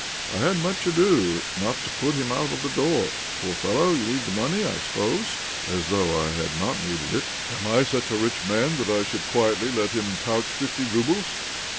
I had much ado not to put him out of the door. ' Poor fellow, you need the money, I suppose ?' As though I had not needed it ! Am I such a rich man that I should quietly let him pouch fifty roubles?